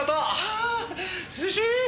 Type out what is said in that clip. あ涼しい！